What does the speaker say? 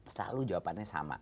selalu jawabannya sama